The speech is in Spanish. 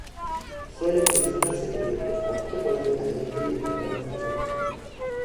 Suelen presentarse cubiertos con chocolate caliente en algunas presentaciones.